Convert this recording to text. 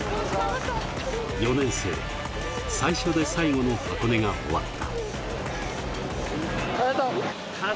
４年生、最初で最後の箱根が終わった。